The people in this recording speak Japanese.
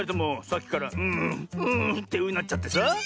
さっきから「うんうん」ってうなっちゃってさ。